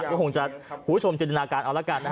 คุณผู้ชมจะดินาการเอาละกัน